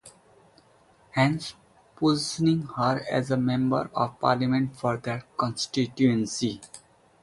Hence, positioning her as a Member of Parliament for that Constituency.